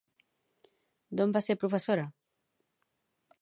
D'on va ser professora?